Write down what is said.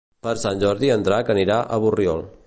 Per Sant Jordi en Drac anirà a Borriol.